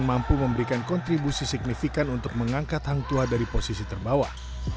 mampu memberikan kontribusi signifikan untuk mengangkat hangtua dari posisi terbawah